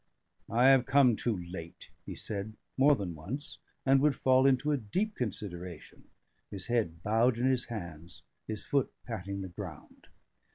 "I have come too late," he said more than once, and would fall into a deep consideration, his head bowed in his hands, his foot patting the ground.